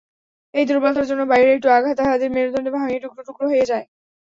এই দুর্বলতার জন্য বাইরের একটু আঘাত তাহাদের মেরুদণ্ড ভাঙিয়া টুকরো টুকরো হইয়া যায়।